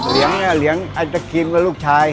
เหลียงไอติมกับลูกชาย